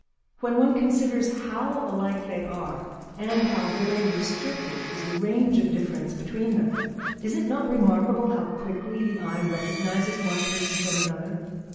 When one considers how alike they are, and how very restricted is the range of difference between them, is it not remarkable how quickly the eye recognises one person from another?